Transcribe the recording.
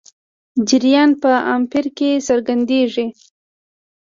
جریان په امپیر کې څرګندېږي.